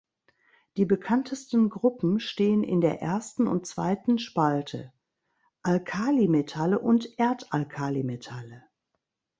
Die bekanntesten Gruppen stehen in der ersten und zweiten Spalte: Alkalimetalle und Erdalkalimetalle.